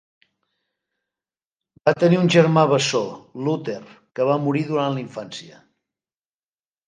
Va tenir un germà bessó, Lothair que va morir durant la infància.